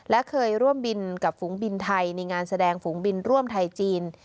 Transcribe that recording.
และเคยร่วมบินกับฝูงบินไทยในงานแสดงฝูงบินร่วมไทยจีน